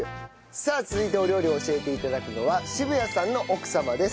さあ続いてお料理を教えて頂くのは渋谷さんの奥様です。